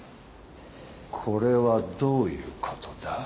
これはどういうことだ？